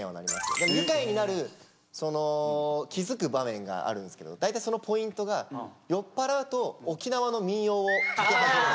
でもゆかいになるその気付く場面があるんですけど大体そのポイントが酔っぱらうと沖縄の民謡をかけ始める。